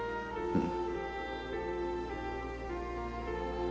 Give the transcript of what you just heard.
うん。